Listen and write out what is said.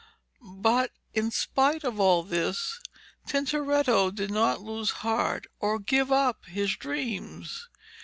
But in spite of all this, Tintoretto did not lose heart or give up his dreams.